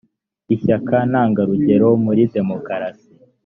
ishyaka ntangarugero muri demokarasi